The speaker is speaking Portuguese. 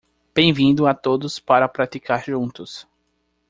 Bem-vindo a todos para praticar juntos